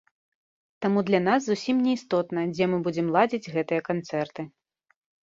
Таму для нас зусім не істотна, дзе мы будзем ладзіць гэтыя канцэрты.